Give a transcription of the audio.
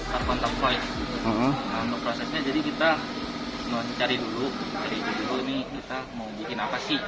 telpon telpon prosesnya jadi kita cari dulu cari dulu ini kita mau bikin apa sih